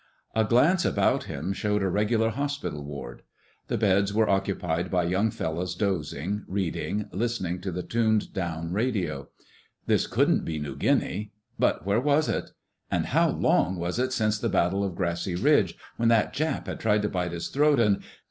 A glance about him showed a regular hospital ward. The beds were occupied by young fellows dozing, reading, listening to the tuned down radio. This couldn't be New Guinea! But where was it? And how long was it since the Battle of Grassy Ridge, when that Jap had tried to bite his throat, and....